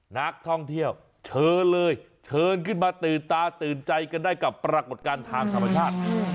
นักท่องเที่ยวเชิญเลยเชิญขึ้นมาตื่นตาตื่นใจกันได้กับปรากฏการณ์ทางธรรมชาติ